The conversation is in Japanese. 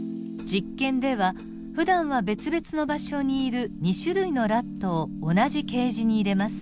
実験ではふだんは別々の場所にいる２種類のラットを同じケージに入れます。